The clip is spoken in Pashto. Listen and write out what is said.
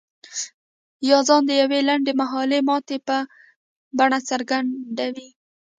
يا ځان د يوې لنډ مهالې ماتې په بڼه څرګندوي.